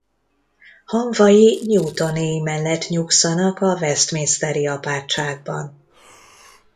Hamvai Newtonéi mellett nyugszanak a Westminsteri apátságban.